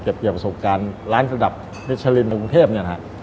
เก็บเกี่ยวประสบการณ์ร้านระดับมิชลินในกรุงเทพเนี่ยนะฮะ